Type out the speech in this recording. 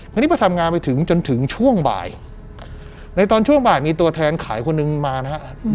ทีนี้พอทำงานไปถึงจนถึงช่วงบ่ายในตอนช่วงบ่ายมีตัวแทนขายคนหนึ่งมานะฮะ